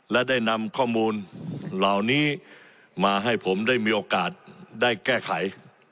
และได้นำข้อมูลเหล่านี้มาให้ผมได้มีโอกาสได้แก้ไข